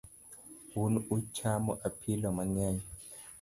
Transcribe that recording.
Un uchamo apilo mangeny